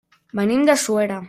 Venim de Suera.